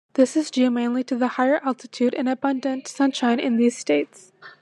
This is due mainly to the higher altitude and abundant sunshine in these states.